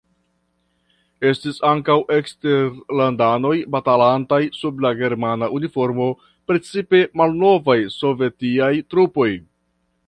Estis ankaŭ eksterlandanoj batalantaj sub la germana uniformo, precipe malnovaj sovetiaj trupoj.